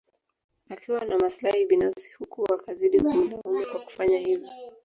Akiwa na maslahi binafsi huku wakazidi kumlaumu kwa kufanya hivyo